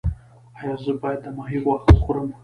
ایا زه باید د ماهي غوښه وخورم؟